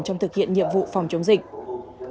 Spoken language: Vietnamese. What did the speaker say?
trong thực hiện nhiệm vụ phòng chống dịch